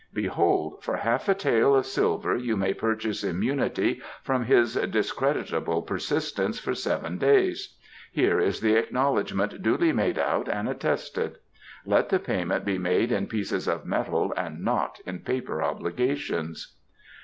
Behold, for half a tael of silver you may purchase immunity from his discreditable persistence for seven days; here is the acknowledgement duly made out and attested. Let the payment be made in pieces of metal and not in paper obligations."